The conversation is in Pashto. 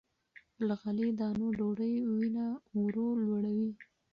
له غلې- دانو ډوډۍ وینه ورو لوړوي.